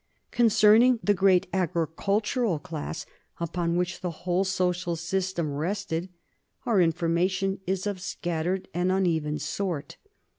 Concerning the great agricultural class upon which the whole social system rested, our information is of a scattered and uneven sort.